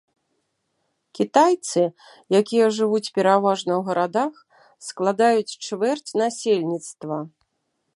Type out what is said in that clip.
Кітайцы, якія жывуць пераважна ў гарадах, складаюць чвэрць насельніцтва.